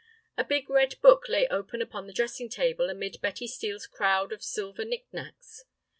A big red book lay open upon the dressing table amid Betty Steel's crowd of silver knick knacks.